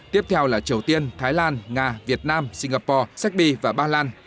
tiếp theo là triều tiên thái lan nga việt nam singapore sách bi và ba lan